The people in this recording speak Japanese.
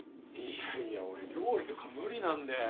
いやいや俺料理とか無理なんで。